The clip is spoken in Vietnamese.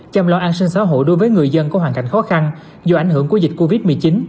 chăm lo an sinh xã hội đối với người dân có hoàn cảnh khó khăn do ảnh hưởng của dịch covid một mươi chín